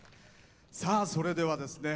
さあそれではですね